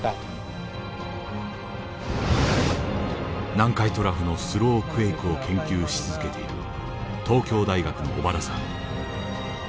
南海トラフのスロークエイクを研究し続けている東京大学の小原さん。